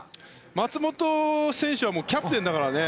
松元選手はキャプテンだからね。